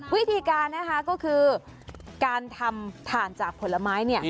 วิธีการนะคะก็คือการทำถ่านจากผลไม้เนี่ย